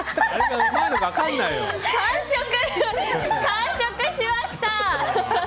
完食しました！